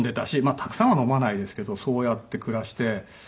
あたくさんは飲まないですけどそうやって暮らして。